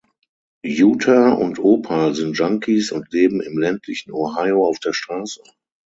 Utah und Opal sind Junkies und leben im ländlichen Ohio auf der Straße.